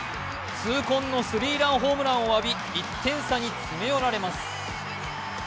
痛恨のスリーランホームランを浴び、１点差に詰め寄られます。